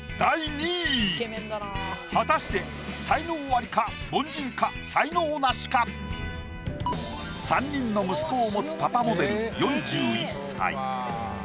果たして３人の息子を持つパパモデル４１歳。